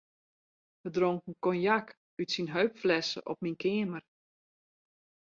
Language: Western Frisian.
We dronken konjak út syn heupflesse op myn keamer.